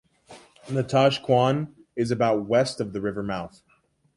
Natashquan is about west of the river mouth.